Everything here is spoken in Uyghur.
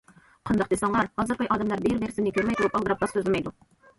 قانداق دېسەڭلار، ھازىرقى ئادەملەر بىر- بىرسىنى كۆرمەي تۇرۇپ، ئالدىراپ راست سۆزلىمەيدۇ.